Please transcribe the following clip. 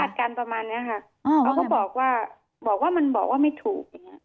เป็นญาติกันประมาณเนี่ยค่ะเขาก็บอกว่ามันบอกว่าไม่ถูก